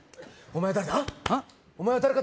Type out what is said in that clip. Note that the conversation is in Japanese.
お前は誰だ？